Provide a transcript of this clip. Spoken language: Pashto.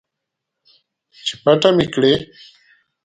چې پټه مې کړي